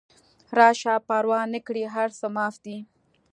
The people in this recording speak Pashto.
راشه پروا نکړي هر څه معاف دي